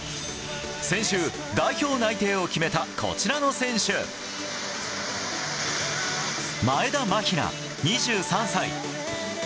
先週、代表内定を決めたこちらの選手前田マヒナ、２３歳。